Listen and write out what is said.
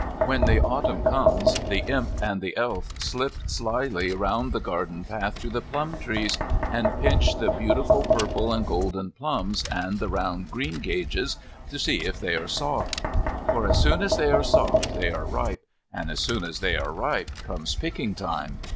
When the Autumn comes the Imp and the Elf slip slily round the garden path to the plum trees and pinch the beautiful purple and golden plums and the round greengages to see if they are soft. For as soon as they are soft they are ripe, and as soon as they are ripe comes picking time.